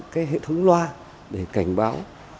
cái hệ thống loa để cảnh báo